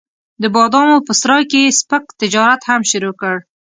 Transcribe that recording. د بادامو په سرای کې یې سپک تجارت هم شروع کړ.